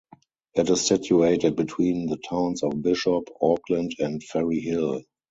It is situated between the towns of Bishop Auckland and Ferryhill.